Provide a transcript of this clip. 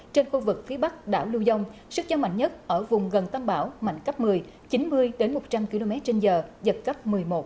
trên khu vực phía bắc đảo lưu dông sức gió mạnh nhất ở vùng gần tâm bão mạnh cấp một mươi chín mươi một trăm linh km trên giờ dật cấp một mươi một một mươi hai